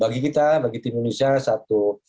bagi kita bagi tim indonesia satu